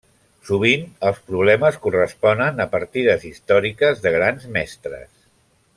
Sovint, els problemes corresponen a partides històriques de Grans Mestres.